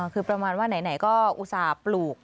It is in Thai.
คือประมาณว่าไหนก็อุตส่าห์ปลูก